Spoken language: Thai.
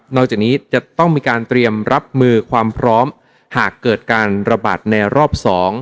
จากนี้จะต้องมีการเตรียมรับมือความพร้อมหากเกิดการระบาดในรอบ๒